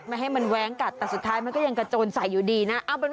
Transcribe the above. ให้มันแว้งกัดแต่สุดท้ายมันก็ยังกระโจนใส่อยู่ดีนะ